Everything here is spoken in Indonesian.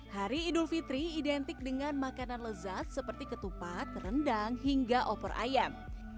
hari idul fitri identik dengan makanan lezat seperti ketupat rendang hingga opor ayam